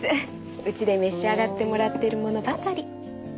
うちで召し上がってもらってるものばかり。